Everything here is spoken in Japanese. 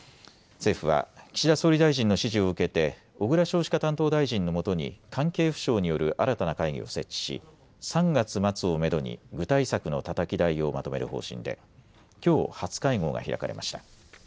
政府は岸田総理大臣の指示を受けて小倉少子化担当大臣のもとに関係府省による新たな会議を設置し、３月末をめどに具体策のたたき台をまとめる方針できょう初会合が開かれました。